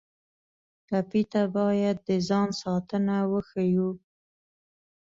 ټپي ته باید د ځان ساتنه وښیو.